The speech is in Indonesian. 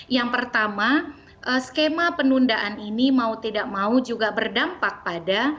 yang pertama skema penundaan ini mau tidak mau juga berdampak pada